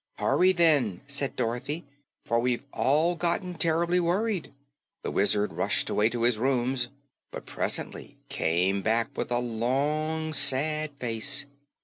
"Hurry, then," said Dorothy, "for we've all gotten terr'bly worried." The Wizard rushed away to his rooms but presently came back with a long, sad face.